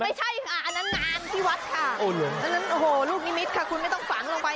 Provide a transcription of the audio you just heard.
ไม่ใช่ค่ะอันนั้นงานที่วัดค่ะอันนั้นโอ้โหลูกนิมิตค่ะคุณไม่ต้องฝังลงไป